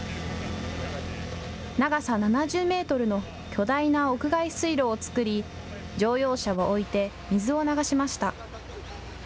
長さ７０メートルの巨大な屋外水路を作り乗用車を置いて水を流しました。